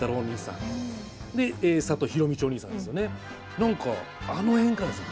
何かあの辺からですね